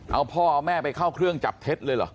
เอาพ่อเอาแม่ไปเข้าเครื่องจับเท็จเลยเหรอ